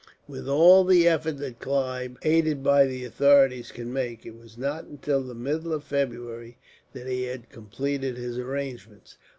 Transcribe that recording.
With all the efforts that Clive, aided by the authorities, could make, it was not until the middle of February that he had completed his arrangements.